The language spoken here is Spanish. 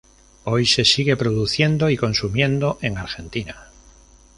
Hoy se sigue produciendo y consumiendo en Argentina.